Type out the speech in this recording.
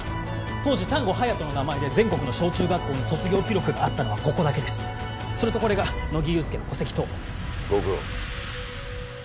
当時丹後隼人の名前で全国の小中学校に卒業記録があったのはここだけですそれとこれが乃木憂助の戸籍謄本ですご苦労